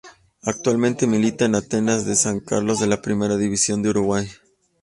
Actualmente milita en Atenas de San Carlos de la Primera División de Uruguay.